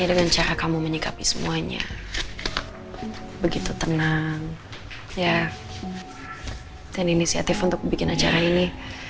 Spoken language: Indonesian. dengan cara kamu menyikapi semuanya begitu tenang ya dan inisiatif untuk bikin acara ini